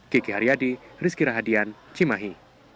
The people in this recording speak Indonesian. kiki haryadi rizky rahadian cimahi